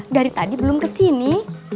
dari tadi belum ke sini